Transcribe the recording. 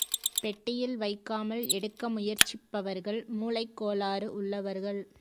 பெட்டியில் வைக்காமல் எடுக்க முயற்சிப்பவர்கள் மூளைக் கோளாறு உள்ளவர்கள்.